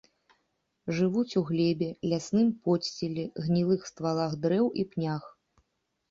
Жывуць у глебе, лясным подсціле, гнілых ствалах дрэў і пнях.